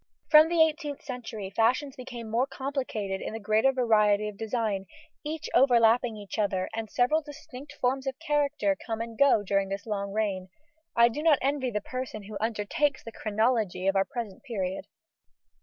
From the 18th century fashions became more complicated in the greater variety of design, each overlapping the other, and several distinct forms of character come and go during this long reign. I do not envy the person who undertakes the chronology of our present period.